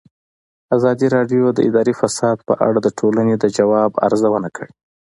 ازادي راډیو د اداري فساد په اړه د ټولنې د ځواب ارزونه کړې.